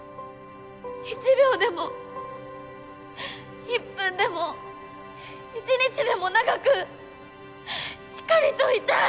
１秒でも１分でも１日でも長くひかりといたい！